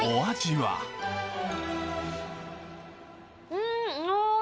うん。